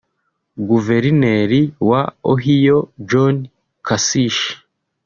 Guverineri wa Ohio John Kasich